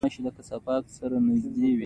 پخوا به که په يوه کلي کښې يو يا دوه جوماته وو.